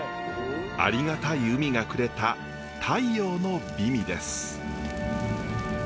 ありがたい海がくれた太陽の美味です。